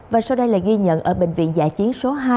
và sau đây là ghi nhận ở bệnh viện dạ chiến số hai